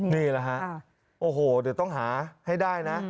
นี่แหละฮะโอ้โหเดี๋ยวต้องหาให้ได้นะ